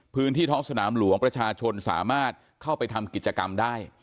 พื้นที่ท้องสนามหลวงประชาชนสามารถเข้าไปทำกิจกรรมได้